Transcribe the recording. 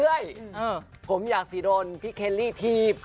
ใช่ผมอยากสิโดนพี่เคลลี่ถีบ